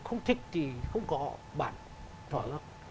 không thích thì không có bản thỏa lực